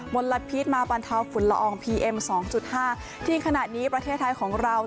ลพิษมาบรรเทาฝุ่นละอองพีเอ็มสองจุดห้าที่ขณะนี้ประเทศไทยของเรา